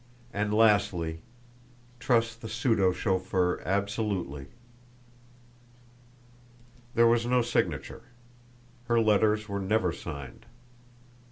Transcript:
And, lastly, trust the pseudo chauffeur absolutely." There was no signature. Her letters were never signed.